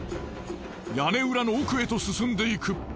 屋根裏の奥へと進んでいく。